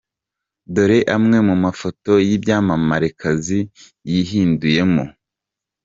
Dore amwe mu mafoto y’ibyamamarekazi yihinduyemo.